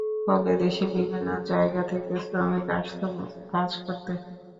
ফলে দেশের বিভিন্ন জায়গা থেকে শ্রমিক আসতো কাজ করতে।